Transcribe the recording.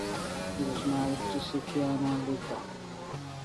He was married to Sikiona Luka.